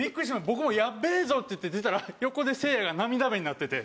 僕も「やっべぇぞ！」って言って出たら横でせいやが涙目になってて。